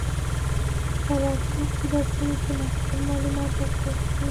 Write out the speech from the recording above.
په راتلونکي درسونو کې مفصل معلومات ورکړل شي.